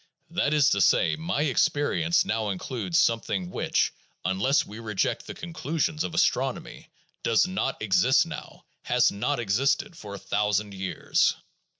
That is to say, my experience now includes something which (unless we reject the conclusions of astronomy) does not exist now, has not existed for a thousand years!